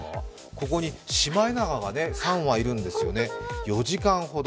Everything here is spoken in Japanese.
ここにシマエナガが３羽いるんです４時間ほど。